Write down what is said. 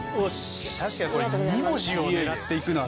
確かにこれ２文字を狙っていくのは。